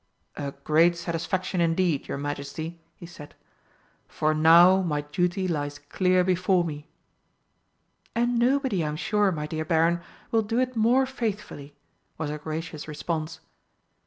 "A great satisfaction indeed, your Majesty," he said, "for now my duty lies clear before me." "And nobody, I'm sure, my dear Baron, will do it more faithfully!" was her gracious response.